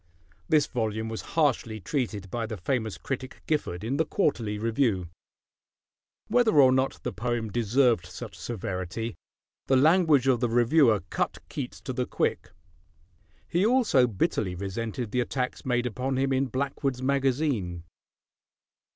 This volume was harshly treated by the famous critic Gifford in the Quarterly Review. Whether or not the poem deserved such severity, the language of the reviewer cut Keats to the quick. He also bitterly resented the attacks made upon him in Blackwood's Magazine.